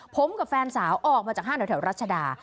ผมกับแฟนสาวออกมาจากห้างแถวรัชดา